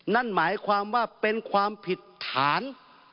นั่นหมายความว่าเป็นความผิดฐาน